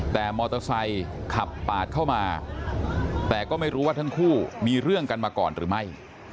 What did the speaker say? แต่มอเตอร์ไซค์ขับปาดเข้ามาแต่ก็ไม่รู้ว่าทั้งคู่มีเรื่องกันมาก่อนหรือไม่